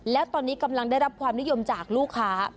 และตอนนี้กำลังได้รับความนิยมจากลูกค้า